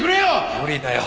無理だよ。